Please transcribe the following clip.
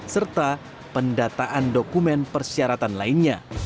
serta pendataan dokumen persyaratan lainnya